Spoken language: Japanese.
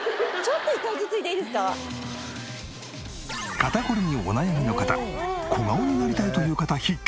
肩こりにお悩みの方小顔になりたいという方必見！